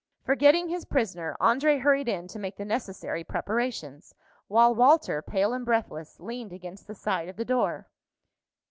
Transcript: Forgetting his prisoner, André hurried in to make the necessary preparations, while Walter, pale and breathless, leaned against the side of the door.